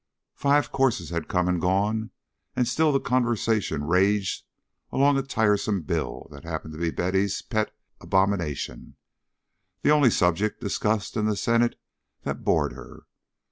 Five courses had come and gone, and still the conversation raged along a tiresome bill that happened to be Betty's pet abomination, the only subject discussed in the Senate that bored her.